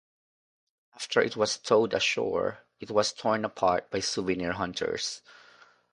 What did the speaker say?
After it was towed ashore, it was torn apart by souvenir hunters.